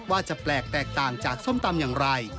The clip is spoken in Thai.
ว่าจะแปลกแตกต่างจากส้มตำอย่างไร